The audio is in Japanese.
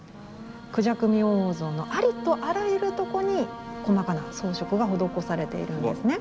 「孔雀明王像」のありとあらゆるとこに細かな装飾が施されているんですね。